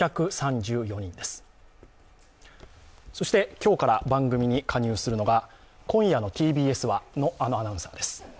今日から番組に加入するのが、「今夜のＴＢＳは？」の、あのアナウンサーです。